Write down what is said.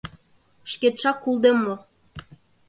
— Шкетшак улде мо.